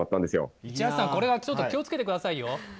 一橋さん、これは気をつけてくださいよ。